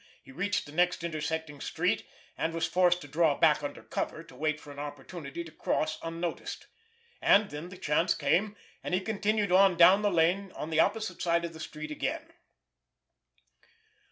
He reached the next intersecting street, and was forced to draw back under cover to wait for an opportunity to cross unnoticed. And then the chance came, and he continued on down the lane on the opposite side of the street again.